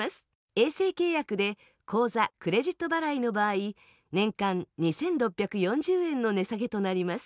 衛星契約で口座、クレジット払いの場合年間２６４０円の値下げとなります。